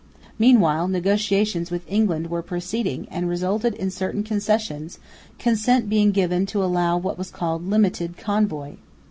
Meanwhile negotiations with England were proceeding and resulted in certain concessions, consent being given to allow what was called "limited convoy."